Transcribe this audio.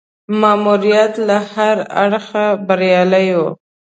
ماموریت له هره اړخه بریالی وو.